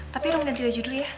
tapi rong ganti baju dulu ya